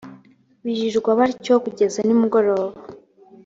birirwa batyo kugeza nimugoroba.